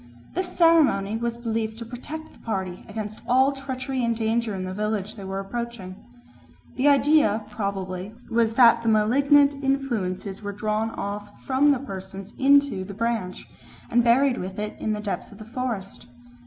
This ceremony was believed to protect the party against all treachery and danger in the village they were approaching. The idea probably was that the malignant influences were drawn off from the persons into the branch and buried with it in the depths of the forest.